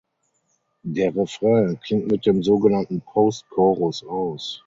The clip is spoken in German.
Der Refrain klingt mit dem sogenannten „Post Chorus“ aus.